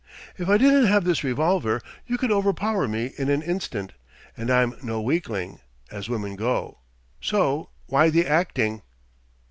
If I didn't have this revolver, you could overpower me in an instant and I'm no weakling, as women go. So why the acting?"